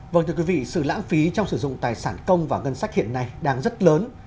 vâng thưa quý vị sự lãng phí trong sử dụng tài sản công và ngân sách hiện nay đang rất lớn